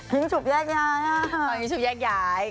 ทิ้งฉุบแยกย้ายนะฮะตอนนี้ฉุบแยกย้าย